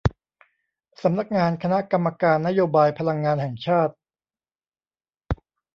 สำนักงานคณะกรรมการนโยบายพลังงานแห่งชาติ